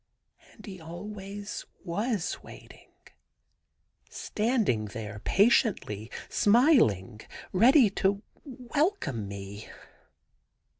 And he always was waiting — standing there patiently, smiling, ready to welcome me.